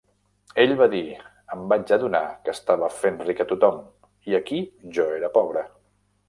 Ell va dir, "Em vaig adonar que estava fent ric a tothom, i aquí jo era pobre".